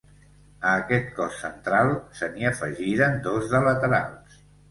A aquest cos central se n'hi afegiren dos de laterals.